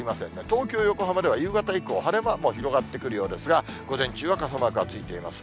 東京、横浜では、夕方以降、晴れ間も広がってくるようですが、午前中は傘マークがついています。